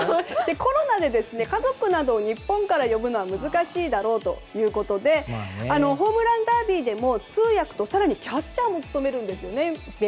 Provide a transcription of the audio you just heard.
コロナで家族などを日本から呼ぶのは難しいだろうということでホームランダービーでも通訳と更にキャッチャーも務めるんですね。